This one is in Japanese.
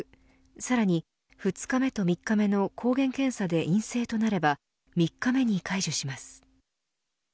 さらに、２日目と３日目の抗原検査で陰性となれば３日目に解除します。